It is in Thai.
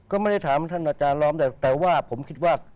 ก็ไม่ได้ถามท่านอาจารย์ล้อมแต่ว่าผมคิดว่า